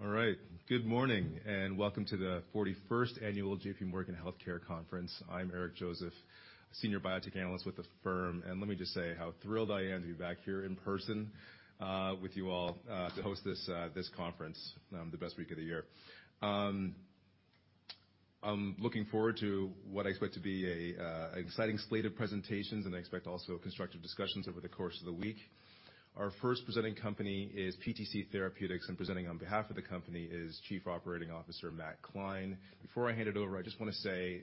Okay. All right. Good morning. Welcome to the 41st annual JP Morgan Healthcare Conference. I'm Eric Joseph, senior biotech analyst with the firm. Let me just say how thrilled I am to be back here in person with you all to host this conference, the best week of the year. I'm looking forward to what I expect to be a exciting slate of presentations. I expect also constructive discussions over the course of the week. Our first presenting company is PTC Therapeutics. Presenting on behalf of the company is Chief Operating Officer Matt Klein. Before I hand it over, I just wanna say.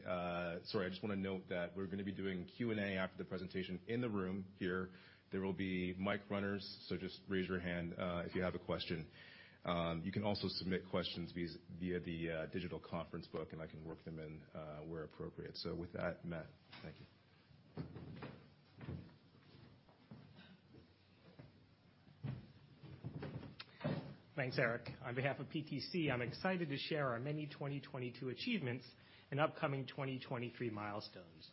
Sorry, I just wanna note that we're gonna be doing Q&A after the presentation in the room here. There will be mic runners. Just raise your hand if you have a question. You can also submit questions via the digital conference book, and I can work them in, where appropriate. With that, Matt. Thank you. Thanks, Eric. On behalf of PTC, I'm excited to share our many 2022 achievements and upcoming 2023 milestones.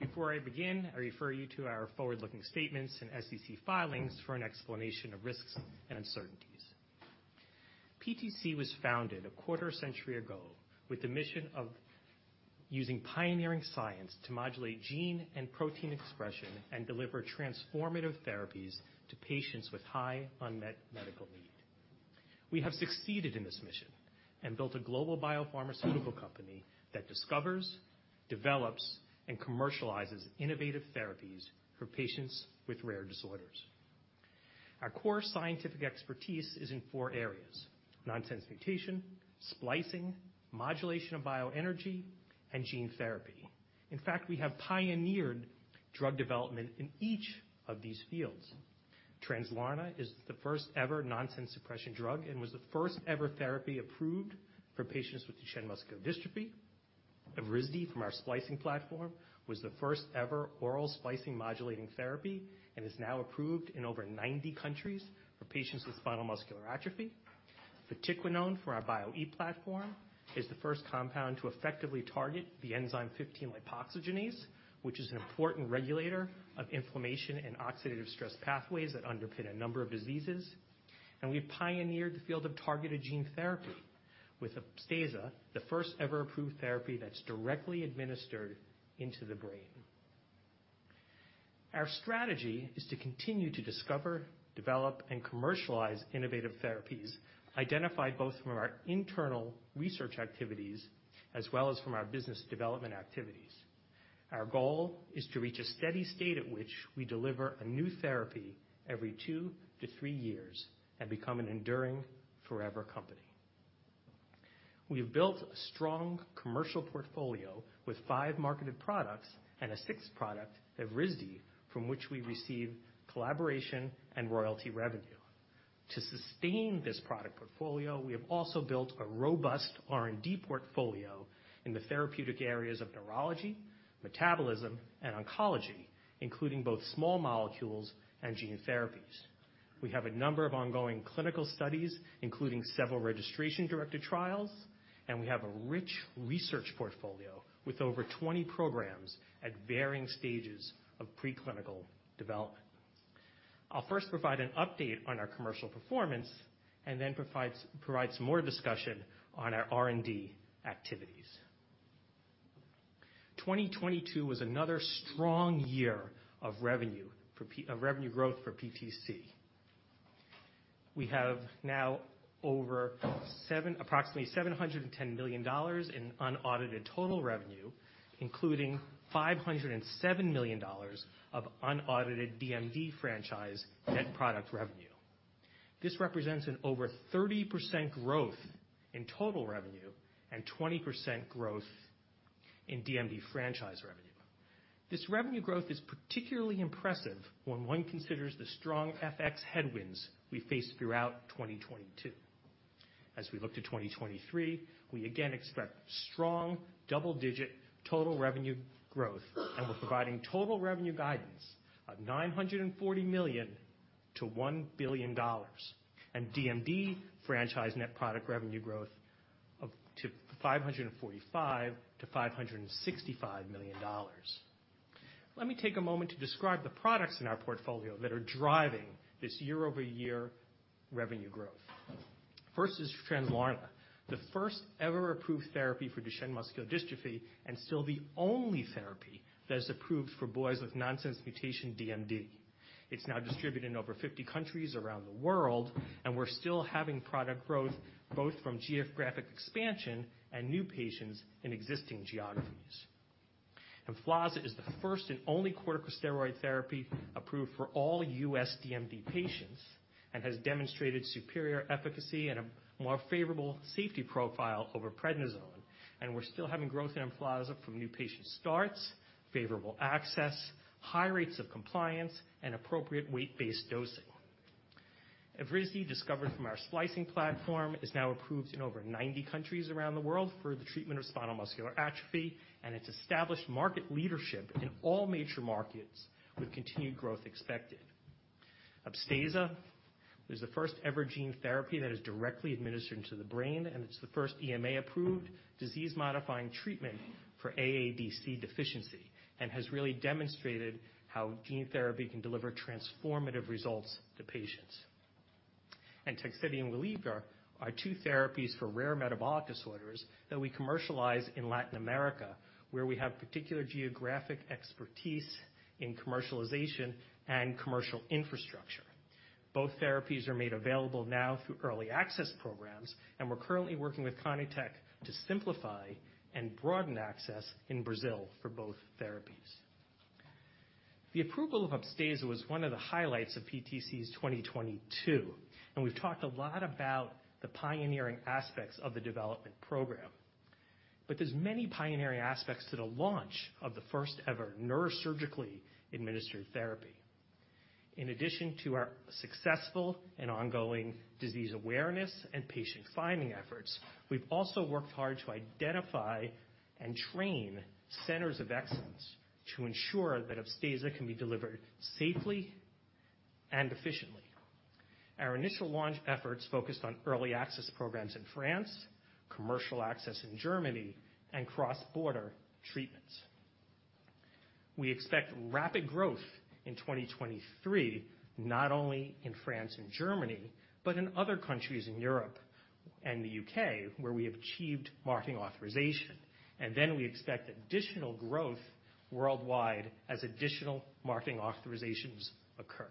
Before I begin, I refer you to our forward-looking statements and SEC filings for an explanation of risks and uncertainties. PTC was founded a quarter century ago with the mission of using pioneering science to modulate gene and protein expression, and deliver transformative therapies to patients with high unmet medical need. We have succeeded in this mission and built a global biopharmaceutical company that discovers, develops, and commercializes innovative therapies for patients with rare disorders. Our core scientific expertise is in four areas: nonsense mutation, splicing, modulation of bioenergy, and gene therapy. In fact, we have pioneered drug development in each of these fields. Translarna is the first ever nonsense suppression drug and was the first ever therapy approved for patients with Duchenne muscular dystrophy. Evrysdi, from our splicing platform, was the first ever oral splicing modulating therapy and is now approved in over 90 countries for patients with spinal muscular atrophy. Vatiquinone for our Bio-e platform is the first compound to effectively target the enzyme 15-lipoxygenase, which is an important regulator of inflammation and oxidative stress pathways that underpin a number of diseases. We've pioneered the field of targeted gene therapy with Upstaza, the first ever approved therapy that's directly administered into the brain. Our strategy is to continue to discover, develop, and commercialize innovative therapies, identify both from our internal research activities as well as from our business development activities. Our goal is to reach a steady state at which we deliver a new therapy every two to three years and become an enduring forever company. We have built a strong commercial portfolio with five marketed products and a sixth product, Evrysdi, from which we receive collaboration and royalty revenue. To sustain this product portfolio, we have also built a robust R&D portfolio in the therapeutic areas of neurology, metabolism, and oncology, including both small molecules and gene therapies. We have a number of ongoing clinical studies, including several registration-directed trials. We have a rich research portfolio with over 20 programs at varying stages of preclinical development. I'll first provide an update on our commercial performance. Then provide some more discussion on our R&D activities. 2022 was another strong year of revenue growth for PTC. We have now approximately $710 million in unaudited total revenue, including $507 million of unaudited DMD franchise net product revenue. This represents an over 30% growth in total revenue and 20% growth in DMD franchise revenue. This revenue growth is particularly impressive when one considers the strong FX headwinds we faced throughout 2022. As we look to 2023, we again expect strong double-digit total revenue growth, and we're providing total revenue guidance of $940 million-$1 billion, and DMD franchise net product revenue growth of to $545 million-$565 million. Let me take a moment to describe the products in our portfolio that are driving this year-over-year revenue growth. First is Translarna, the first ever approved therapy for Duchenne muscular dystrophy, and still the only therapy that is approved for boys with nonsense mutation DMD. It's now distributed in over 50 countries around the world, and we're still having product growth, both from geographic expansion and new patients in existing geographies. Emflaza is the first and only corticosteroid therapy approved for all U.S. DMD patients and has demonstrated superior efficacy and a more favorable safety profile over prednisone, and we're still having growth in Emflaza from new patient starts, favorable access, high rates of compliance, and appropriate weight-based dosing. Evrysdi, discovered from our splicing platform, is now approved in over 90 countries around the world for the treatment of spinal muscular atrophy, and it's established market leadership in all major markets with continued growth expected. Upstaza is the first-ever gene therapy that is directly administered into the brain, and it's the first EMA-approved disease-modifying treatment for AADC deficiency and has really demonstrated how gene therapy can deliver transformative results to patients. TEGSEDI and WAYLIVRA are two therapies for rare metabolic disorders that we commercialize in Latin America, where we have particular geographic expertise in commercialization and commercial infrastructure. Both therapies are made available now through early access programs, and we're currently working with CONITEC to simplify and broaden access in Brazil for both therapies. The approval of Upstaza was one of the highlights of PTC's 2022, and we've talked a lot about the pioneering aspects of the development program. There's many pioneering aspects to the launch of the first ever neurosurgically administered therapy. In addition to our successful and ongoing disease awareness and patient-finding efforts, we've also worked hard to identify and train centers of excellence to ensure that Upstaza can be delivered safely and efficiently. Our initial launch efforts focused on early access programs in France, commercial access in Germany, and cross-border treatments. We expect rapid growth in 2023, not only in France and Germany, but in other countries in Europe and the UK, where we have achieved marketing authorization. Then we expect additional growth worldwide as additional marketing authorizations occur.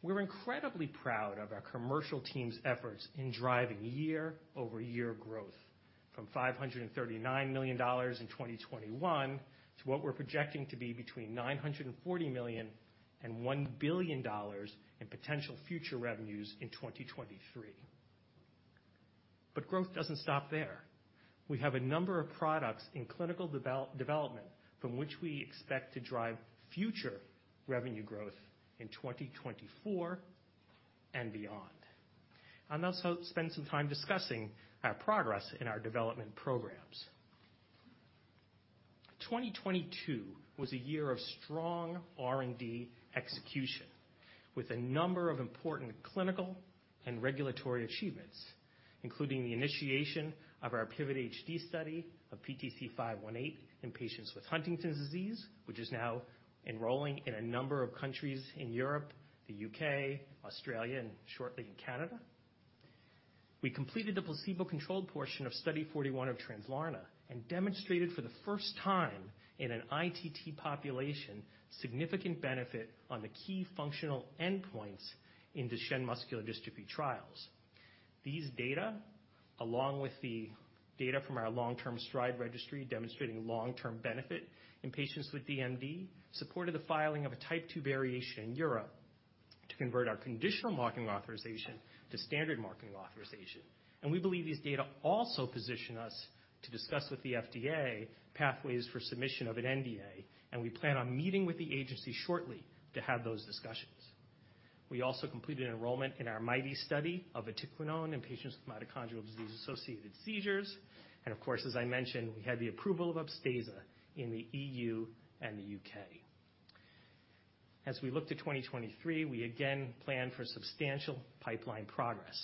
We're incredibly proud of our commercial team's efforts in driving year-over-year growth from $539 million in 2021 to what we're projecting to be between $940 million and $1 billion in potential future revenues in 2023. Growth doesn't stop there. We have a number of products in clinical development from which we expect to drive future revenue growth in 2024 and beyond. I'll now spend some time discussing our progress in our development programs. 2022 was a year of strong R&D execution, with a number of important clinical and regulatory achievements, including the initiation of our PIVOT-HD study of PTC-518 in patients with Huntington's disease, which is now enrolling in a number of countries in Europe, the U.K., Australia, and shortly in Canada. We completed the placebo-controlled portion of Study 041 of Translarna, and demonstrated for the first time in an ITT population, significant benefit on the key functional endpoints in Duchenne muscular dystrophy trials. These data, along with the data from our long-term STRIDE registry demonstrating long-term benefit in patients with DMD, supported the filing of a Type II variation in Europe to convert our conditional marketing authorization to standard marketing authorization. We believe these data also position us to discuss with the FDA pathways for submission of an NDA, and we plan on meeting with the agency shortly to have those discussions. We also completed enrollment in our MIGHTY study of Vatiquinone in patients with mitochondrial disease-associated seizures. Of course, as I mentioned, we had the approval of Upstaza in the EU and the UK. As we look to 2023, we again plan for substantial pipeline progress.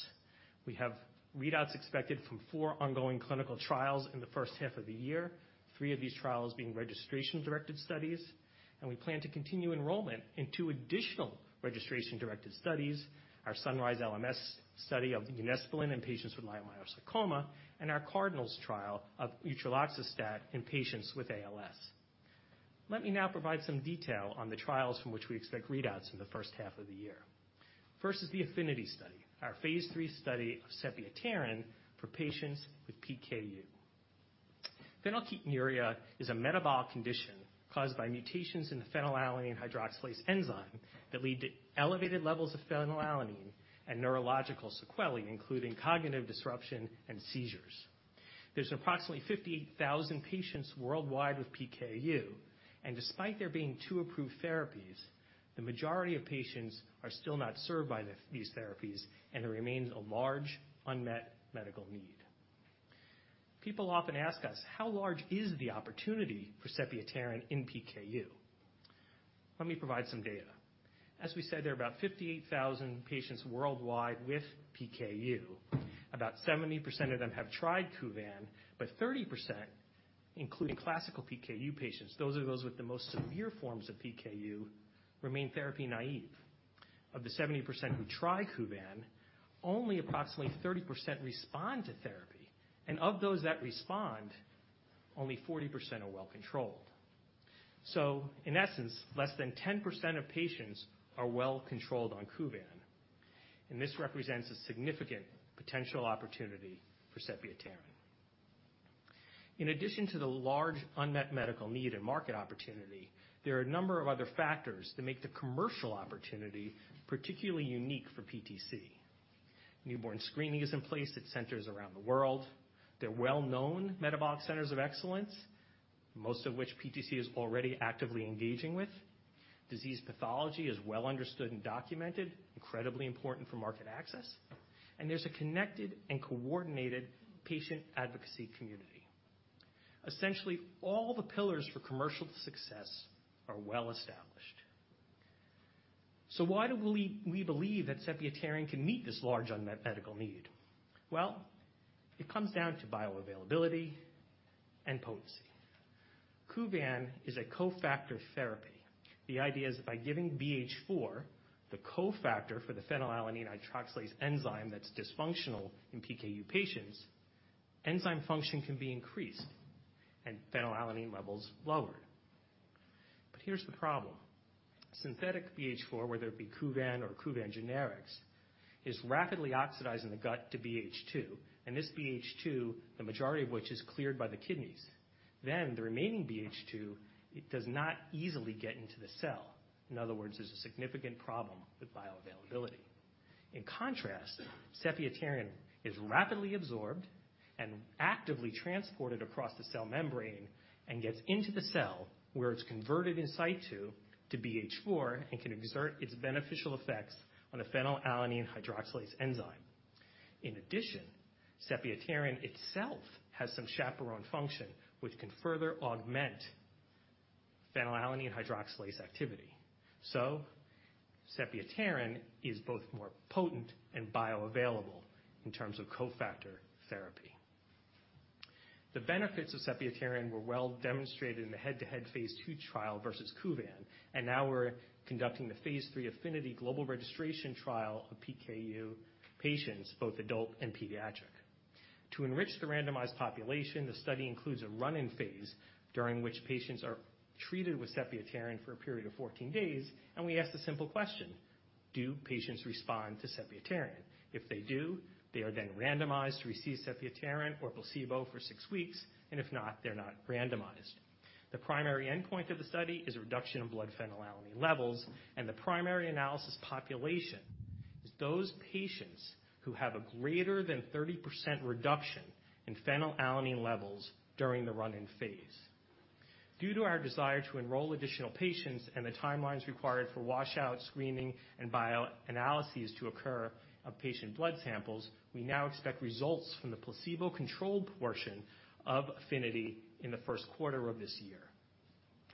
We have readouts expected from four ongoing clinical trials in the first half of the year, three of these trials being registration-directed studies. We plan to continue enrollment in two additional registration-directed studies, our SUNRISE-LMS study of Unesbulin in patients with Leiomyosarcoma, and our CardinALS trial of Utreloxastat in patients with ALS. Let me now provide some detail on the trials from which we expect readouts in the first half of the year. First is the APHENITY study, our phase III study of Sepiapterin for patients with PKU. Phenylketonuria is a metabolic condition caused by mutations in the phenylalanine hydroxylase enzyme that lead to elevated levels of phenylalanine and neurological sequelae, including cognitive disruption and seizures. There's approximately 58,000 patients worldwide with PKU, and despite there being two approved therapies, the majority of patients are still not served by these therapies, and it remains a large unmet medical need. People often ask us, "How large is the opportunity for Sepiapterin in PKU?" Let me provide some data. As we said, there are about 58,000 patients worldwide with PKU. About 70% of them have tried Kuvan, but 30%, including classic PKU patients, those are those with the most severe forms of PKU, remain therapy naive. Of the 70% who try Kuvan, only approximately 30% respond to therapy. Of those that respond, only 40% are well controlled. In essence, less than 10% of patients are well controlled on Kuvan, and this represents a significant potential opportunity for Sepiapterin. In addition to the large unmet medical need and market opportunity, there are a number of other factors that make the commercial opportunity particularly unique for PTC. Newborn screening is in place at centers around the world. There are well-known metabolic centers of excellence, most of which PTC is already actively engaging with. Disease pathology is well understood and documented, incredibly important for market access, there's a connected and coordinated patient advocacy community. Essentially, all the pillars for commercial success are well established. Why do we believe that Sepiapterin can meet this large unmet medical need? It comes down to bioavailability and potency. Kuvan is a cofactor therapy. The idea is by giving BH4 the cofactor for the phenylalanine hydroxylase enzyme that's dysfunctional in PKU patients, enzyme function can be increased and phenylalanine levels lowered. Here's the problem. Synthetic BH4, whether it be Kuvan or Kuvan generics, is rapidly oxidized in the gut to BH2. This BH2, the majority of which is cleared by the kidneys, the remaining BH2, it does not easily get into the cell. In other words, there's a significant problem with bioavailability. In contrast, Sepiapterin is rapidly absorbed and actively transported across the cell membrane and gets into the cell, where it's converted in site 2 to BH4 and can exert its beneficial effects on a Phenylalanine hydroxylase enzyme. In addition, Sepiapterin itself has some chaperone function, which can further augment Phenylalanine hydroxylase activity. Sepiapterin is both more potent and bioavailable in terms of cofactor therapy. The benefits of Sepiapterin were well demonstrated in the head-to-head phase II trial versus Kuvan. Now we're conducting the phase III APHENITY global registration trial of PKU patients, both adult and pediatric. To enrich the randomized population, the study includes a run-in phase during which patients are treated with Sepiapterin for a period of 14 days. We ask a simple question: Do patients respond to Sepiapterin? If they do, they are then randomized to receive Sepiapterin or placebo for six weeks, and if not, they're not randomized. The primary endpoint of the study is a reduction in blood phenylalanine levels, and the primary analysis population is those patients who have a greater than 30% reduction in phenylalanine levels during the run-in phase. Due to our desire to enroll additional patients and the timelines required for washout, screening, and bioanalyses to occur of patient blood samples, we now expect results from the placebo-controlled portion of APHENITY in the Q1 of this year.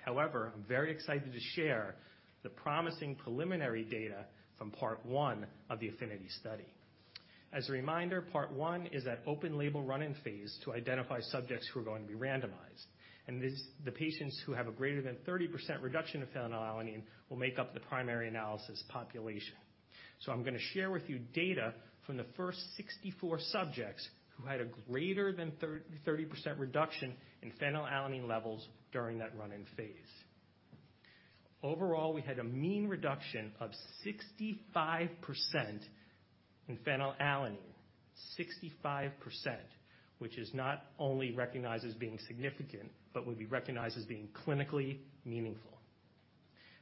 However, I'm very excited to share the promising preliminary data from part one of the APHENITY study. As a reminder, part 1 is that open label run-in phase to identify subjects who are going to be randomized. The patients who have a greater than 30% reduction of phenylalanine will make up the primary analysis population. I'm gonna share with you data from the first 64 subjects who had a greater than 30% reduction in phenylalanine levels during that run-in phase. Overall, we had a mean reduction of 65% in phenylalanine. 65%, which is not only recognized as being significant but would be recognized as being clinically meaningful.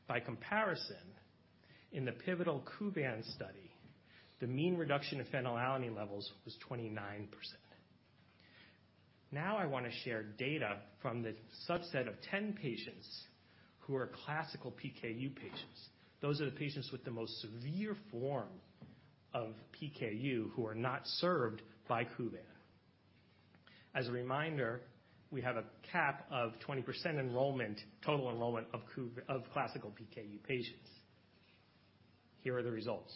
By comparison, in the pivotal Kuvan study, the mean reduction of phenylalanine levels was 29%. I wanna share data from the subset of 10 patients who are classical PKU patients. Those are the patients with the most severe form of PKU who are not served by Kuvan. As a reminder, we have a cap of 20% enrollment, total enrollment of classical PKU patients. Here are the results.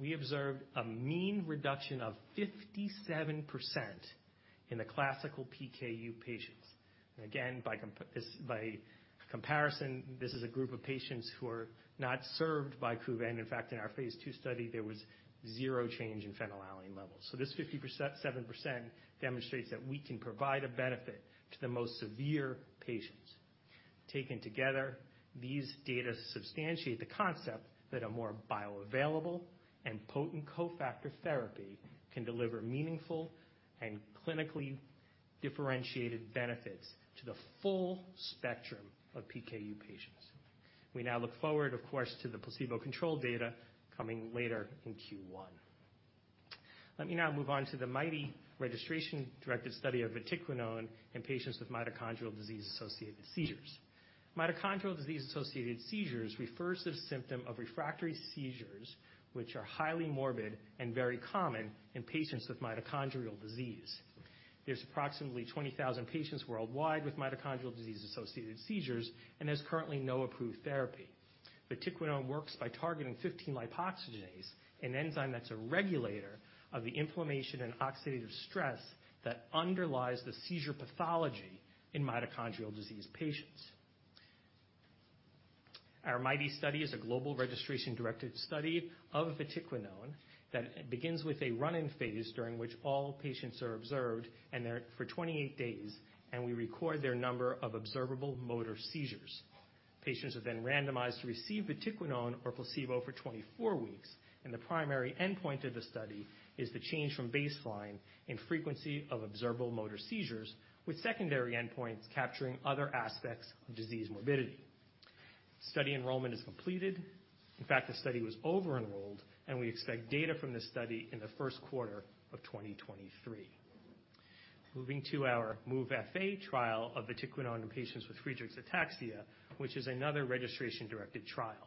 We observed a mean reduction of 57% in the classical PKU patients. Again, by comparison, this is a group of patients who are not served by Kuvan. In fact, in our phase two study, there was zero change in phenylalanine levels. This 57% demonstrates that we can provide a benefit to the most severe patients. Taken together, these data substantiate the concept that a more bioavailable and potent cofactor therapy can deliver meaningful and clinically differentiated benefits to the full spectrum of PKU patients. We now look forward, of course, to the placebo-controlled data coming later in Q1. Let me now move on to the MIGHTY registration-directed study of Vatiquinone in patients with mitochondrial disease-associated seizures. Mitochondrial disease-associated seizures refers to the symptom of refractory seizures, which are highly morbid and very common in patients with mitochondrial disease. There's approximately 20,000 patients worldwide with mitochondrial disease-associated seizures, and there's currently no approved therapy. Vatiquinone works by targeting 15-lipoxygenase, an enzyme that's a regulator of the inflammation and oxidative stress that underlies the seizure pathology in mitochondrial disease patients. Our MIGHTY study is a global registration-directed study of Vatiquinone that begins with a run-in phase during which all patients are observed, and they're for 28 days, and we record their number of observable motor seizures. Patients are then randomized to receive Vatiquinone or placebo for 24 weeks, and the primary endpoint of the study is the change from baseline in frequency of observable motor seizures with secondary endpoints capturing other aspects of disease morbidity. Study enrollment is completed. In fact, the study was over-enrolled, and we expect data from this study in the Q1 of 2023. Moving to our MOVE-FA trial of Vatiquinone in patients with Friedreich's ataxia, which is another registration-directed trial.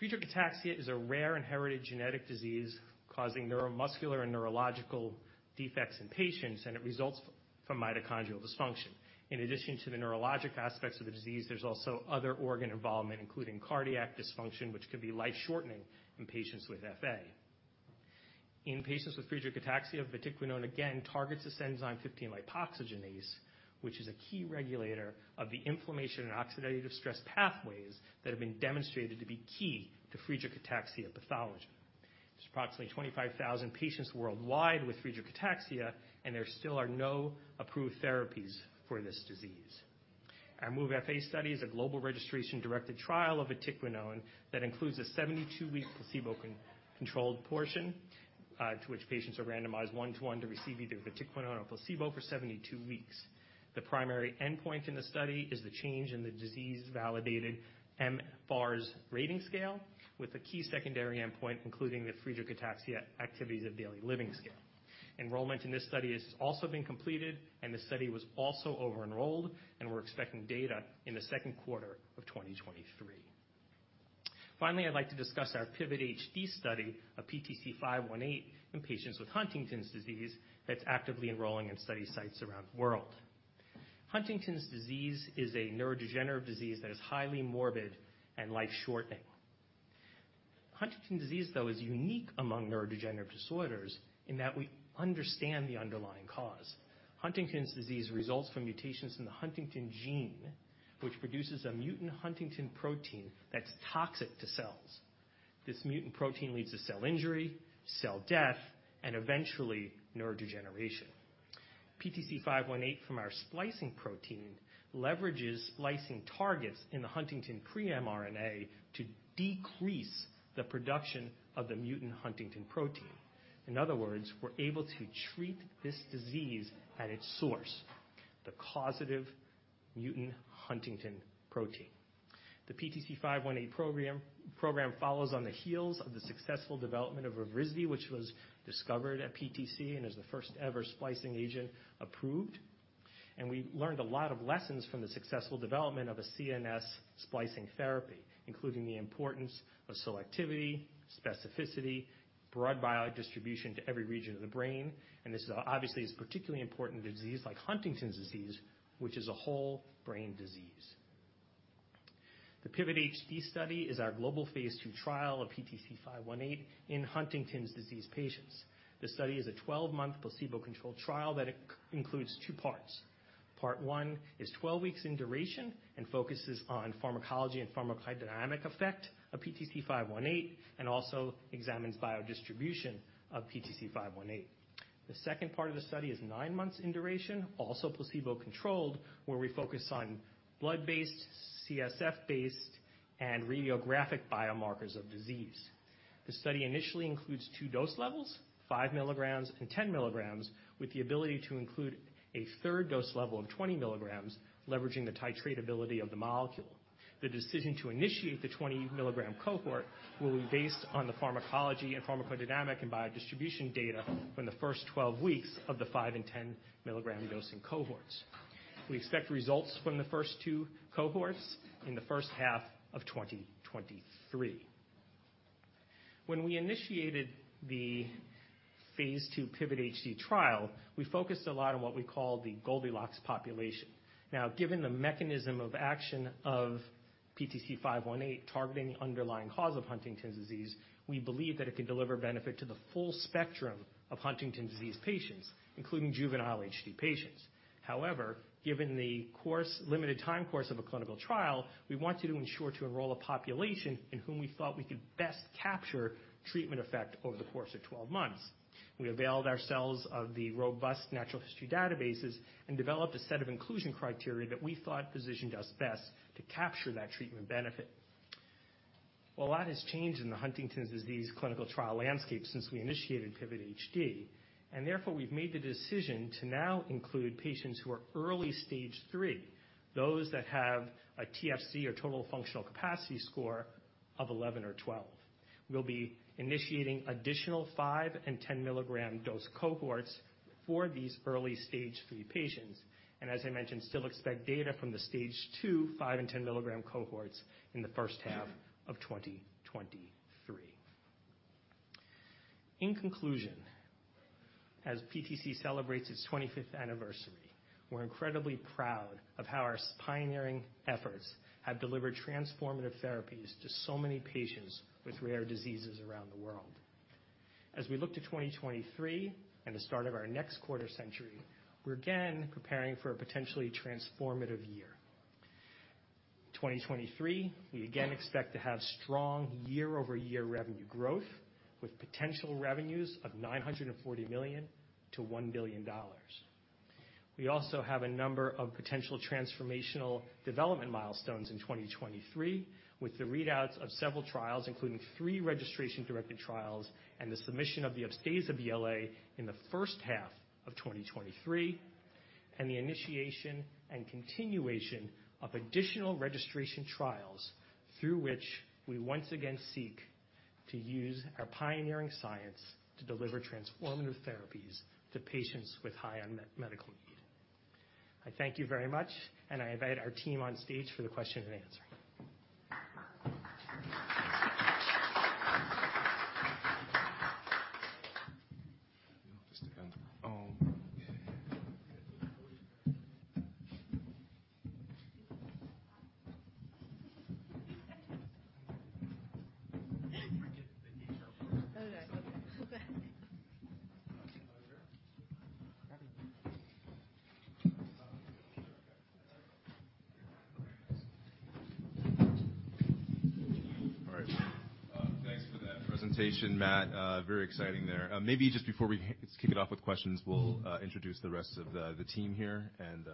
Friedreich's ataxia is a rare inherited genetic disease causing neuromuscular and neurological defects in patients, and it results from mitochondrial dysfunction. In addition to the neurologic aspects of the disease, there's also other organ involvement, including cardiac dysfunction, which could be life-shortening in patients with FA. In patients with Friedreich's ataxia, Vatiquinone again targets this enzyme 15-lipoxygenase, which is a key regulator of the inflammation and oxidative stress pathways that have been demonstrated to be key to Friedreich's ataxia pathology. There's approximately 25,000 patients worldwide with Friedreich's ataxia, and there still are no approved therapies for this disease. Our MOVE-FA study is a global registration-directed trial of Vatiquinone that includes a 72-week placebo controlled portion, to which patients are randomized 1-to-1 to receive either Vatiquinone or placebo for 72 weeks. The primary endpoint in the study is the change in the disease-validated mFARS rating scale, with the key secondary endpoint including the Friedreich Ataxia Activities of Daily Living Scale. Enrollment in this study has also been completed, and the study was also over-enrolled, and we're expecting data in the Q2 of 2023. Finally, I'd like to discuss our PIVOT-HD study of PTC-518 in patients with Huntington's disease that's actively enrolling in study sites around the world. Huntington's disease is a neurodegenerative disease that is highly morbid and life-shortening. Huntington's disease, though, is unique among neurodegenerative disorders in that we understand the underlying cause. Huntington's disease results from mutations in the Huntington gene, which produces a mutant huntingtin protein that's toxic to cells. This mutant protein leads to cell injury, cell death, and eventually neurodegeneration. PTC-518 from our splicing protein leverages splicing targets in the Huntington pre-mRNA to decrease the production of the mutant huntingtin protein. In other words, we're able to treat this disease at its source, the causative mutant huntingtin protein. The PTC-518 program follows on the heels of the successful development of Evrysdi, which was discovered at PTC and is the first-ever splicing agent approved. We learned a lot of lessons from the successful development of a CNS splicing therapy, including the importance of selectivity, specificity, broad biodistribution to every region of the brain, this obviously is particularly important to disease like Huntington's disease, which is a whole brain disease. The PIVOT-HD study is our global phase II trial of PTC-518 in Huntington's disease patients. This study is a 12-month placebo-controlled trial that includes two parts. Part one is 12 weeks in duration and focuses on pharmacology and pharmacodynamic effect of PTC-518 and also examines biodistribution of PTC-518. The second part of the study is nine months in duration, also placebo-controlled, where we focus on blood-based, CSF-based, and radiographic biomarkers of disease. The study initially includes two dose levels, 5 mg and 10 mg, with the ability to include a third dose level of 20 mg, leveraging the titratability of the molecule. The decision to initiate the 20 mg cohort will be based on the pharmacology and pharmacodynamic and biodistribution data from the first 12 weeks of the five and 10 mg dosing cohorts. We expect results from the first two cohorts in the first half of 2023. When we initiated the phase II PIVOT-HD trial, we focused a lot on what we call the Goldilocks population. Now, given the mechanism of action of PTC-518 targeting the underlying cause of Huntington's disease, we believe that it can deliver benefit to the full spectrum of Huntington's disease patients, including juvenile HD patients. However, given the limited time course of a clinical trial, we wanted to ensure to enroll a population in whom we thought we could best capture treatment effect over the course of 12 months. We availed ourselves of the robust natural history databases and developed a set of inclusion criteria that we thought positioned us best to capture that treatment benefit. Well, a lot has changed in the Huntington's disease clinical trial landscape since we initiated PIVOT-HD, therefore, we've made the decision to now include patients who are early stage 3, those that have a TFC or Total Functional Capacity score of 11 or 12. We'll be initiating additional 5 and 10 mg dose cohorts for these early stage 3 patients, as I mentioned, still expect data from the stage 2, 5, and 10 mg cohorts in the first half of 2023. In conclusion, as PTC celebrates its 25th anniversary, we're incredibly proud of how our pioneering efforts have delivered transformative therapies to so many patients with rare diseases around the world. As we look to 2023 and the start of our next quarter century, we're again preparing for a potentially transformative year. 2023, we again expect to have strong year-over-year revenue growth with potential revenues of $940 million-$1 billion. We also have a number of potential transformational development milestones in 2023 with the readouts of several trials, including three registration-directed trials and the submission of the update of the L.A. in the first half of 2023, and the initiation and continuation of additional registration trials through which we once again seek to use our pioneering science to deliver transformative therapies to patients with high unmet medical need. I thank you very much. I invite our team on stage for the question and answering. Just a second. Oh, okay. All right. Thanks for that presentation, Matt. Very exciting there. Maybe just before we kick it off with questions, we'll introduce the rest of the team here and.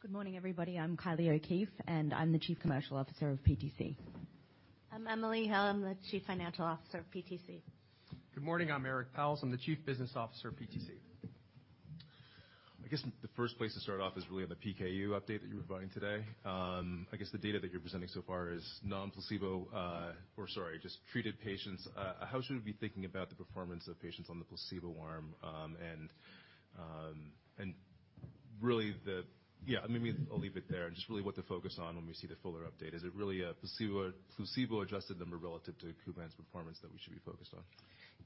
Good morning, everybody. I'm Kylie O'Keefe, and I'm the Chief Commercial Officer of PTC. I'm Emily Hill. I'm the Chief Financial Officer of PTC. Good morning. I'm Eric Pauwels. I'm the Chief Business Officer of PTC. I guess the first place to start off is really on the PKU update that you were providing today. I guess the data that you're presenting so far is non-placebo, or sorry, just treated patients. How should we be thinking about the performance of patients on the placebo arm, Yeah, I mean, maybe I'll leave it there. Just really what to focus on when we see the fuller update. Is it really a placebo-adjusted number relative to Kuvan's performance that we should be focused on?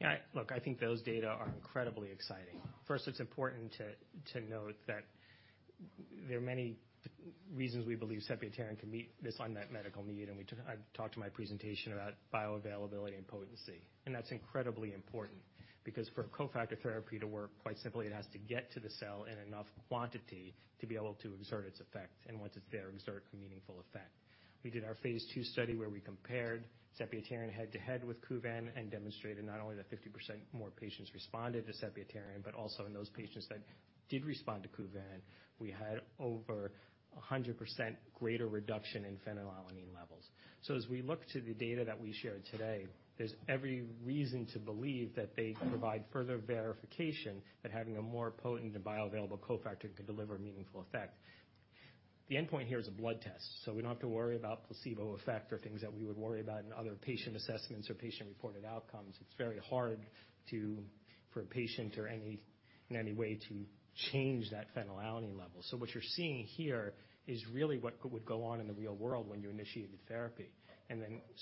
Yeah. Look, I think those data are incredibly exciting. First, it's important to note that there are many reasons we believe Sepiapterin can meet this unmet medical need, and I talked to my presentation about bioavailability and potency. That's incredibly important because for a cofactor therapy to work, quite simply, it has to get to the cell in enough quantity to be able to exert its effect and once it's there, exert a meaningful effect. We did our phase two study where we compared Sepiapterin head to head with Kuvan and demonstrated not only that 50% more patients responded to Sepiapterin, but also in those patients that did respond to Kuvan, we had over a 100% greater reduction in phenylalanine levels. As we look to the data that we shared today, there's every reason to believe that they provide further verification that having a more potent and bioavailable cofactor can deliver meaningful effect. The endpoint here is a blood test, so we don't have to worry about placebo effect or things that we would worry about in other patient assessments or patient-reported outcomes. It's very hard to, for a patient or any, in any way to change that phenylalanine level. What you're seeing here is really what would go on in the real world when you initiated therapy.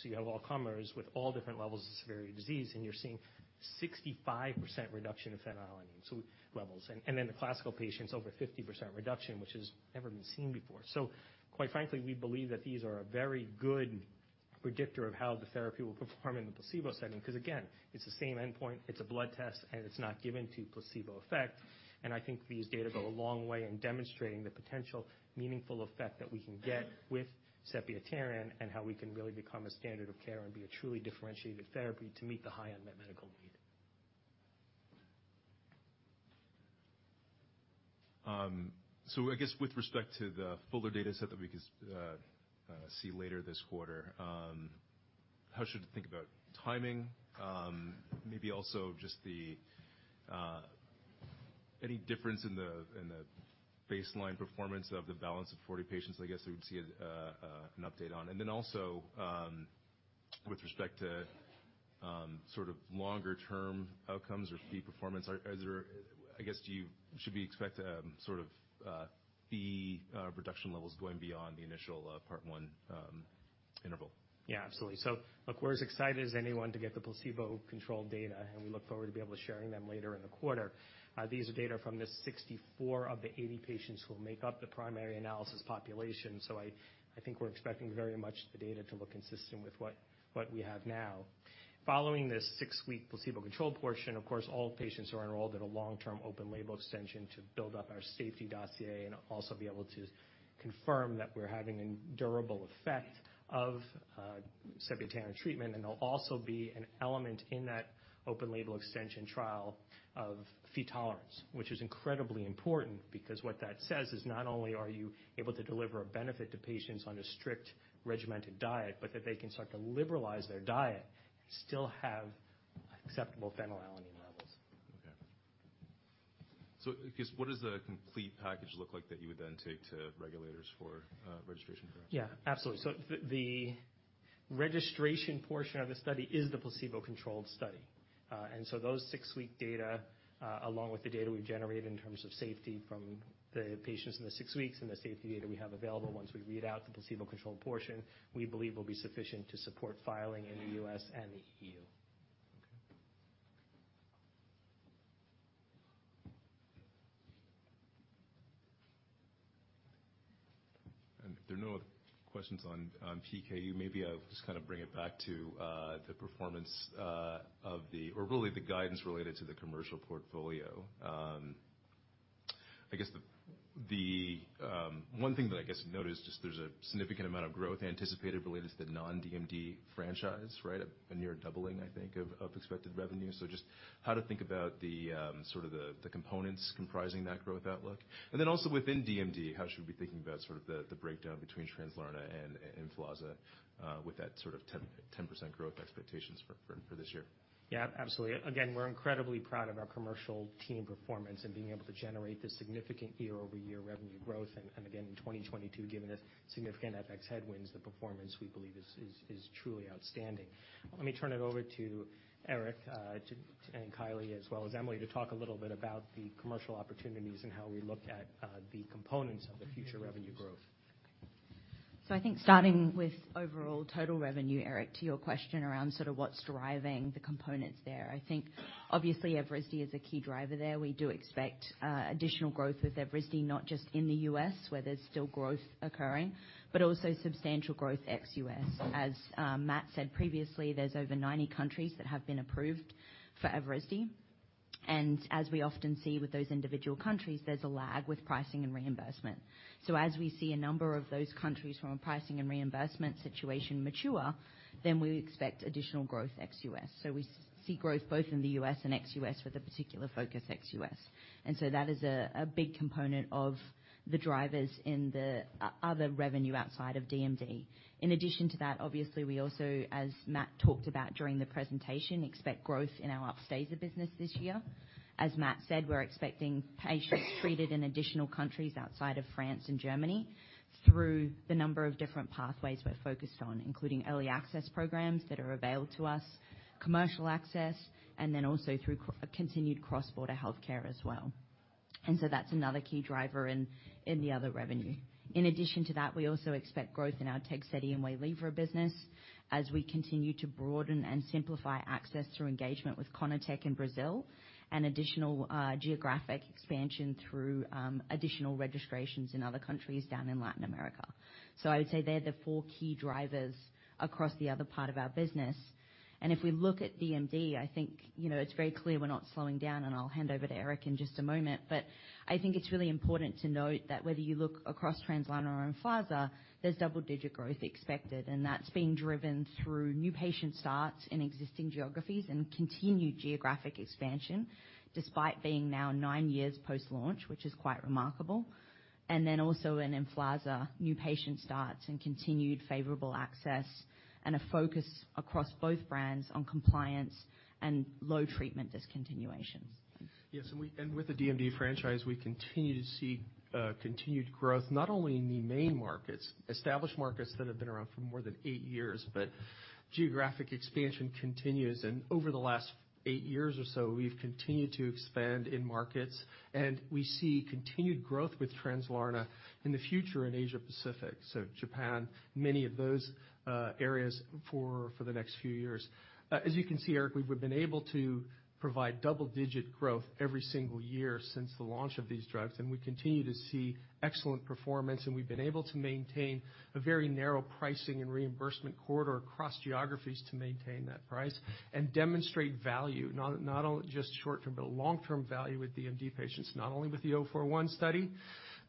You have all comers with all different levels of severity of disease, and you're seeing 65% reduction in phenylalanine, so, levels. The classical patients, over 50% reduction, which has never been seen before. Quite frankly, we believe that these are a very good predictor of how the therapy will perform in the placebo setting, 'cause again, it's the same endpoint, it's a blood test, and it's not given to placebo effect. I think these data go a long way in demonstrating the potential meaningful effect that we can get with Sepiapterin and how we can really become a standard of care and be a truly differentiated therapy to meet the high unmet medical need. I guess with respect to the fuller data set that we could see later this quarter, how should we think about timing? Maybe also just the any difference in the baseline performance of the balance of 40 patients, I guess we would see an update on. Then also, with respect to sort of longer term outcomes or PHE performance, are there. I guess should we expect sort of PHE reduction levels going beyond the initial part 1 interval? Yeah, absolutely. Look, we're as excited as anyone to get the placebo-controlled data, and we look forward to be able to sharing them later in the quarter. These are data from the 64 of the 80 patients who will make up the primary analysis population. I think we're expecting very much the data to look consistent with what we have now. Following this six-week placebo-controlled portion, of course, all patients are enrolled at a long-term open label extension to build up our safety dossier and also be able to confirm that we're having a durable effect of Sepiapterin treatment. There'll also be an element in that open label extension trial of PHE tolerance, which is incredibly important because what that says is not only are you able to deliver a benefit to patients on a strict regimented diet, but that they can start to liberalize their diet and still have acceptable phenylalanine levels. Okay. I guess, what does the complete package look like that you would then take to regulators for registration perhaps? Yeah. Absolutely. The registration portion of the study is the placebo-controlled study. Those 6-week data, along with the data we've generated in terms of safety from the patients in the 6 weeks and the safety data we have available once we read out the placebo-controlled portion, we believe will be sufficient to support filing in the U.S. and the EU. Okay. If there are no other questions on PKU, maybe I'll just kinda bring it back to the performance, or really the guidance related to the commercial portfolio. I guess the one thing that I guess you notice is there's a significant amount of growth anticipated related to the non-DMD franchise, right? A near doubling, I think, of expected revenue. Just how to think about the sort of the components comprising that growth outlook. Then also within DMD, how should we be thinking about sort of the breakdown between Translarna and Emflaza, with that sort of 10% growth expectations for this year? Yeah. Absolutely. Again, we're incredibly proud of our commercial team performance and being able to generate this significant year-over-year revenue growth. Again, in 2022, given the significant FX headwinds, the performance we believe is truly outstanding. Let me turn it over to Eric, and Kylie as well as Emily, to talk a little bit about the commercial opportunities and how we look at the components of the future revenue growth. I think starting with overall total revenue, Eric, to your question around sort of what's driving the components there, I think obviously Evrysdi is a key driver there. We do expect additional growth with Evrysdi, not just in the US, where there's still growth occurring, but also substantial growth ex-US. As Matt said previously, there's over 90 countries that have been approved for Evrysdi. As we often see with those individual countries, there's a lag with pricing and reimbursement. As we see a number of those countries from a pricing and reimbursement situation mature, then we expect additional growth ex-US. We see growth both in the US and ex-US, with a particular focus ex-US. That is a big component of the drivers in the other revenue outside of DMD. In addition to that, obviously we also, as Matt talked about during the presentation, expect growth in our Upstaza business this year. As Matt said, we're expecting patients treated in additional countries outside of France and Germany through the number of different pathways we're focused on, including early access programs that are available to us, commercial access, and then also through continued cross-border healthcare as well. That's another key driver in the other revenue. In addition to that, we also expect growth in our TEGSEDI and WAYLIVRA business as we continue to broaden and simplify access through engagement with CONITEC in Brazil and additional geographic expansion through additional registrations in other countries down in Latin America. I would say they're the four key drivers across the other part of our business. If we look at DMD, I think, you know, it's very clear we're not slowing down, and I'll hand over to Eric in just a moment. I think it's really important to note that whether you look across Translarna or Emflaza, there's double-digit growth expected, and that's being driven through new patient starts in existing geographies and continued geographic expansion, despite being now nine years post-launch, which is quite remarkable. Also in Emflaza, new patient starts and continued favorable access and a focus across both brands on compliance and low treatment discontinuations. Yes, with the DMD franchise, we continue to see continued growth, not only in the main markets, established markets that have been around for more than eight years, but geographic expansion continues. Over the last eight years or so, we've continued to expand in markets, and we see continued growth with Translarna in the future in Asia Pacific, so Japan, many of those areas for the next few years. As you can see, Eric, we've been able to provide double-digit growth every single year since the launch of these drugs, and we continue to see excellent performance, and we've been able to maintain a very narrow pricing and reimbursement corridor across geographies to maintain that price and demonstrate value, not just short-term, but a long-term value with DMD patients, not only with the Study 041,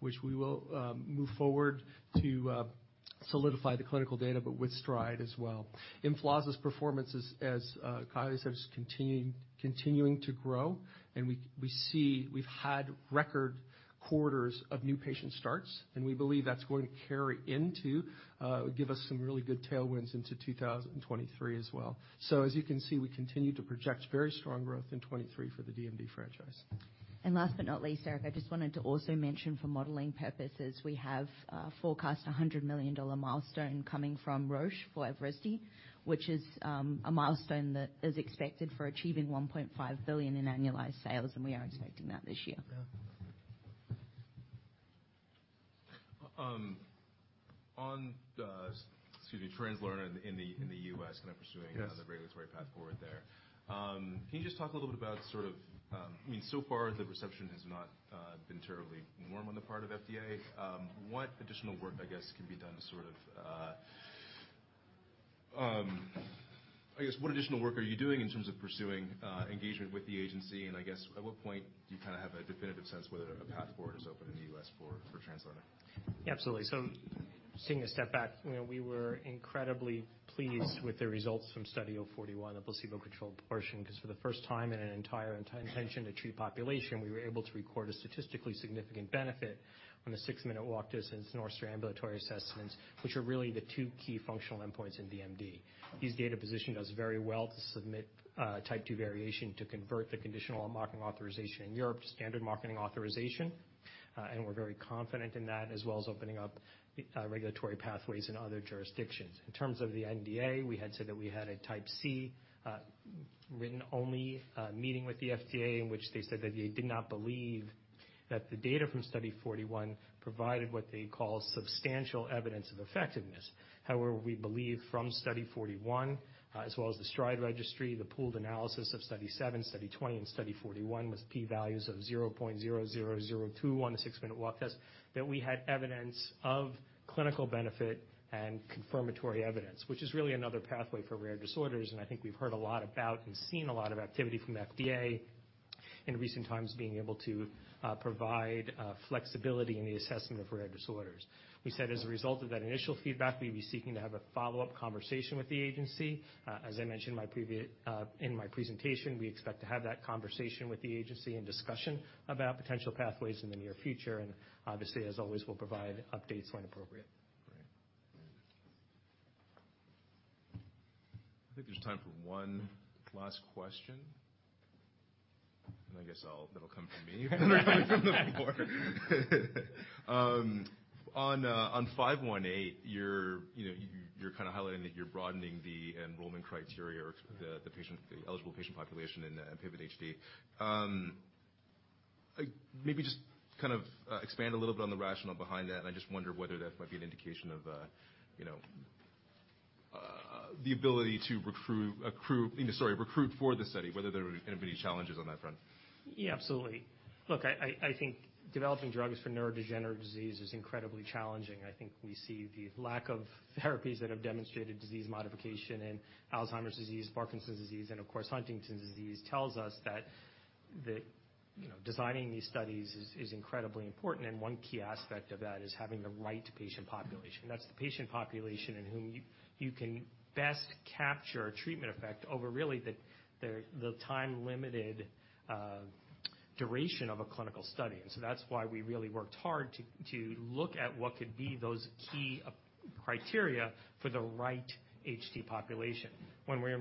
which we will move forward to solidify the clinical data, but with STRIDE as well. Emflaza's performance is, as Kylie said, is continuing to grow. We see we've had record quarters of new patient starts, and we believe that's going to carry into give us some really good tailwinds into 2023 as well. As you can see, we continue to project very strong growth in 2023 for the DMD franchise. Last but not least, Eric, I just wanted to also mention for modeling purposes, we have forecast a $100 million milestone coming from Roche for Evrysdi, which is a milestone that is expected for achieving $1.5 billion in annualized sales, and we are expecting that this year. Yeah. On the, excuse me, Translarna in the U.S., kind of pursuing-. Yes. on the regulatory path forward there. Can you just talk a little bit about sort of, I mean, so far the reception has not been terribly warm on the part of FDA. What additional work, I guess, can be done to sort of, I guess, what additional work are you doing in terms of pursuing engagement with the agency? I guess at what point do you kinda have a definitive sense whether a path forward is open in the U.S. for Translarna? Absolutely. Taking a step back, you know, we were incredibly pleased with the results from Study 041, the placebo-controlled portion, because for the first time in an entire intention-to-treat population, we were able to record a statistically significant benefit on the six-minute walk distance in our ambulatory assessments, which are really the two key functional endpoints in DMD. These data position us very well to submit Type II variation to convert the conditional marketing authorization in Europe to standard marketing authorization. We're very confident in that, as well as opening up regulatory pathways in other jurisdictions. In terms of the NDA, we had said that we had a Type C, written only, meeting with the FDA, in which they said that they did not believe that the data from Study 041 provided what they call substantial evidence of effectiveness. We believe from Study 41, as well as the STRIDE registry, the pooled analysis of Study 007, Study 020, and Study 041 with P values of 0.0002 on the six-minute walk test, that we had evidence of clinical benefit and confirmatory evidence, which is really another pathway for rare disorders. I think we've heard a lot about and seen a lot of activity from FDA in recent times being able to provide flexibility in the assessment of rare disorders. We said as a result of that initial feedback, we'd be seeking to have a follow-up conversation with the agency. As I mentioned in my presentation, we expect to have that conversation with the agency and discussion about potential pathways in the near future. Obviously, as always, we'll provide updates when appropriate. Great. I think there's time for one last question, and I guess that'll come from me. On 518, you're, you know, you're kinda highlighting that you're broadening the enrollment criteria or the patient, the eligible patient population in the PIVOT-HD. Maybe just kind of expand a little bit on the rationale behind that, and I just wonder whether that might be an indication of, you know, the ability to recruit for the study, whether there were gonna be challenges on that front. Yeah, absolutely. Look, I think developing drugs for neurodegenerative disease is incredibly challenging. I think we see the lack of therapies that have demonstrated disease modification in Alzheimer's disease, Parkinson's disease, and of course Huntington's disease tells us that the, you know, designing these studies is incredibly important. One key aspect of that is having the right patient population. That's the patient population in whom you can best capture a treatment effect over really the time-limited duration of a clinical study. That's why we really worked hard to look at what could be those key criteria for the right HD population. When we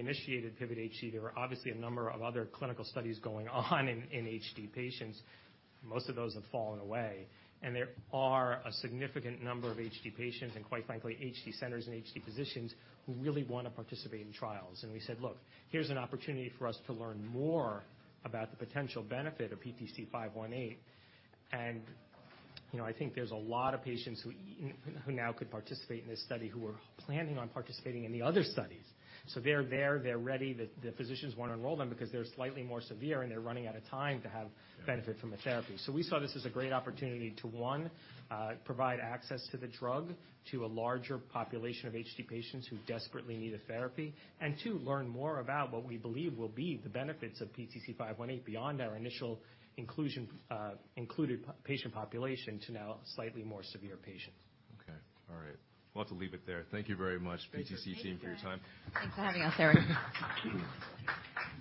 initiated PIVOT-HD, there were obviously a number of other clinical studies going on in HD patients. Most of those have fallen away. There are a significant number of HD patients, and quite frankly, HD centers and HD physicians who really wanna participate in trials. We said, "Look, here's an opportunity for us to learn more about the potential benefit of PTC-518." You know, I think there's a lot of patients who now could participate in this study who were planning on participating in the other studies. They're there. They're ready. The physicians wanna enroll them because they're slightly more severe. Yeah. benefit from the therapy. We saw this as a great opportunity to, one, provide access to the drug to a larger population of HD patients who desperately need a therapy, and two, learn more about what we believe will be the benefits of PTC-518 beyond our initial inclusion, included patient population to now slightly more severe patients. Okay. All right. We'll have to leave it there. Thank you very much, PTC team, for your time. Thanks for coming. Thanks for having us, Eric.